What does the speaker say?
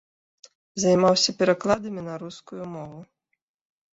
Займаўся перакладамі на рускую мову.